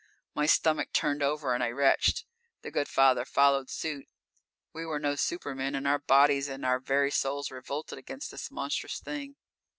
My stomach turned over and I retched. The Good Father followed suit. We were no supermen and our bodies and our very souls revolted against this monstrous thing.